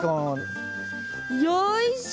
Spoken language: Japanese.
よいしょ。